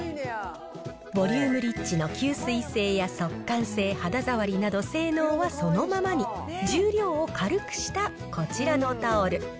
ボリュームリッチの吸水性や速乾性、肌触りなど、性能はそのままに、重量を軽くしたこちらのタオル。